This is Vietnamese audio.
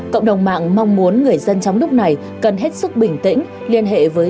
cộng đồng mạng mong muốn người dân trong lúc này có thể trở lại